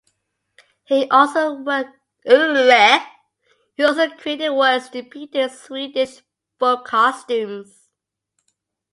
He also created works depicting Swedish folk costumes.